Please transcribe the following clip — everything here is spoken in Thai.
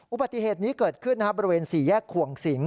อุบัติเหตุนี้เกิดขึ้นบริเวณ๔แยกขวงสิง